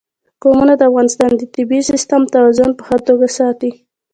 قومونه د افغانستان د طبعي سیسټم توازن په ښه توګه ساتي.